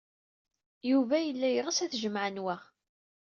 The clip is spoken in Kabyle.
Yuba yella yeɣs ad tjemɛem wa.